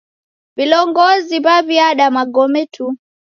Vilongozi w'aw'iada magome tu.